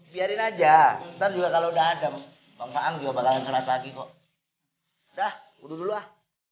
biarin aja ntar juga kalau udah ada bangsaan juga bakalan kena lagi kok udah dulu ah